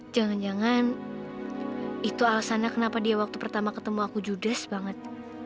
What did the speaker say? jangan jangan itu alasannya kenapa dia waktu pertama ketemu aku judas banget